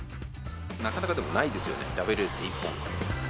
なかなか、でもないですよね、ラベルレス１本って。